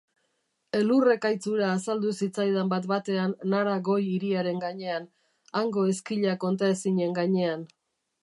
Elur-ekaitz hura azaldu zitzaidan bat-batean Nara goi-hiriaren gainean, hango ezkila kontaezinen gainean.